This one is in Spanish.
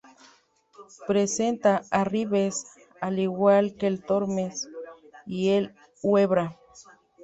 Presenta arribes, al igual que el Tormes y el Huebra.